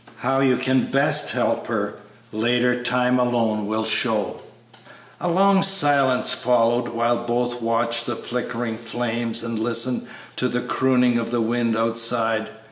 How you can best help her later time alone will show." A long silence followed, while both watched the flickering flames and listened to the crooning of the wind outside.